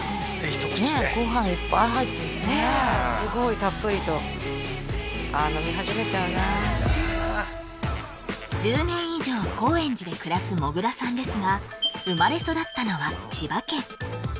一口でご飯いっぱい入ってるねえすごいたっぷりとあっ飲み始めちゃうな１０年以上高円寺で暮らすもぐらさんですが生まれ育ったのは千葉県